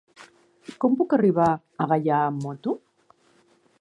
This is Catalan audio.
Com puc arribar a Gaià amb moto?